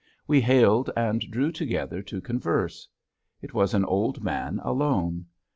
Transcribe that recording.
We hailed and drew together to converse. It was an old man alone.